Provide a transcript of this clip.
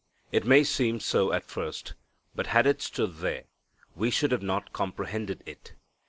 It may seem so at first; but had it stood there, we should not have comprehended it.